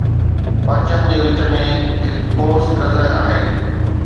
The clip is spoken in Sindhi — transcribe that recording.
پرچم جي وچ ۾ هڪ قوس قزح آهي